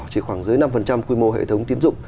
chỉ khoảng dưới năm quy mô hệ thống tiến dụng